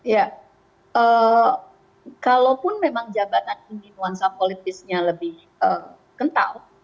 ya kalaupun memang jabatan ini nuansa politisnya lebih kental